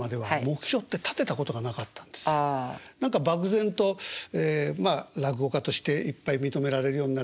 何か漠然とまあ落語家としていっぱい認められるようになればいいな。